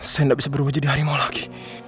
saya tidak bisa berubah jadi harimau lagi